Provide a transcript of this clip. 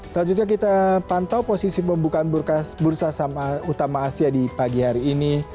selanjutnya kita pantau posisi pembukaan bursa utama asia di pagi hari ini